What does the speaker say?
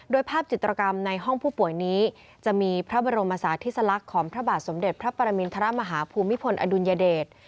โดยภาพจิตรกรรมในห้องผู้ป่วยนี้จะมีพระบรมศาสติสลักษณ์ของพระบาทสมเด็จพระปรมินทรมาฮาภูมิพลอดุลยเดช